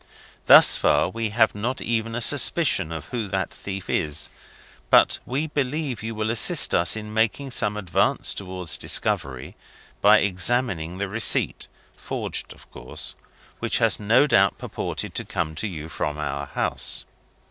Thus far we have not even a suspicion of who that thief is. But we believe you will assist us in making some advance towards discovery, by examining the receipt (forged, of course) which has no doubt purported to come to you from our house.